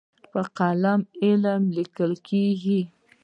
په قلم علم لیکل کېږي.